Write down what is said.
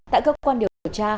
tại cơ quan điều tra